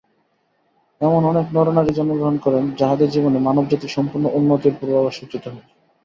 এমন অনেক নর-নারী জন্মগ্রহণ করেন, যাঁহাদের জীবনে মানবজাতির সম্পূর্ণ উন্নতির পূর্বাভাস সূচিত হয়।